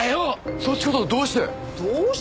そっちこそどうして？